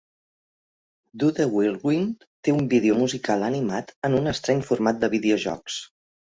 "Do the Whirlwind" té un vídeo musical animat en un estrany format de videojocs.